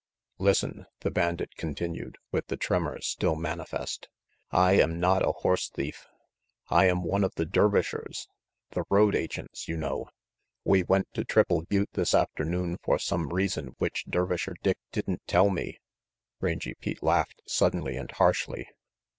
"Listen," the bandit continued, with the tremor still manifest. "I am not a horse thief. I am one of the Dervishers, the road agents, you know. We went to Triple Butte this afternoon for some reason which Dervisher Dick didn't tell me Rangy Pete laughed suddenly and harshly.